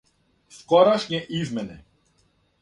Скорашње измене